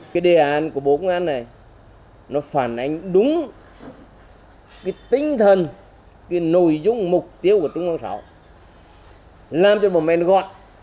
cái đề án của bộ công an này nó phản ánh đúng cái tinh thần cái nội dung mục tiêu của trung quốc sảo